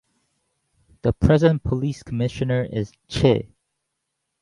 The present Police commissioner is Ch.